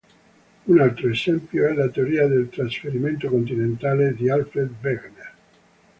Un altro esempio è la teoria del trasferimento continentale di Alfred Wegener.